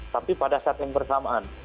tapi pada saat yang bersamaan